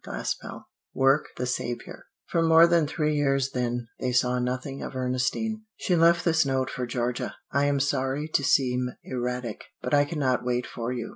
CHAPTER XLII WORK THE SAVIOUR For more than three years then they saw nothing of Ernestine. She left this note for Georgia: "I am sorry to seem erratic, but I cannot wait for you.